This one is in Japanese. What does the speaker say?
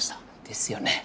ですよね。